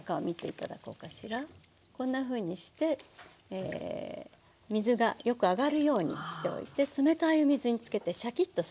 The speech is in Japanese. こんなふうにして水がよく上がるようにしておいて冷たいお水につけてシャキッとさせますね。